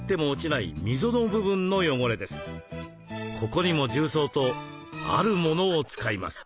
ここにも重曹とあるものを使います。